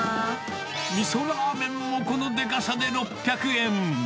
みそラーメンもこのでかさで６００円。